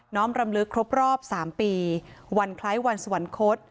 น้อมรำลึกครบสามปีวันคล้ายวันสวรรคต